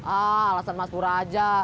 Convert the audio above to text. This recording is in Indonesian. alasan mas pur aja